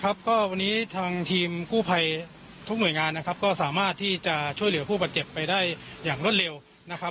ครับก็วันนี้ทางทีมกู้ภัยทุกหน่วยงานนะครับก็สามารถที่จะช่วยเหลือผู้บาดเจ็บไปได้อย่างรวดเร็วนะครับ